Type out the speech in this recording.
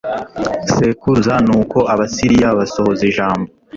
sekuruza nuko abasiriya basohoza ijambo